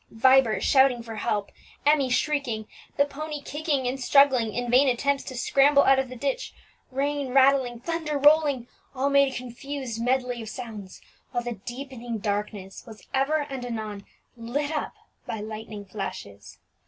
Vibert shouting for help, Emmie shrieking, the pony kicking and struggling in vain attempts to scramble out of the ditch, rain rattling, thunder rolling, all made a confused medley of sounds, while the deepening darkness was ever and anon lit up by lightning flashes.